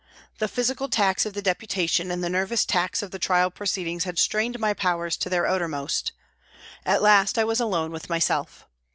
The physical tax of the Deputation and the nervous tax of the trial proceedings had strained my powers to their uttermost. At last I was alone with myself.